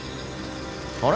あれ？